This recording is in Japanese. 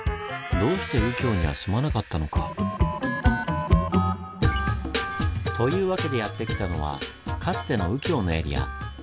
どうして右京には住まなかったのか？というわけでやって来たのはかつての右京のエリア。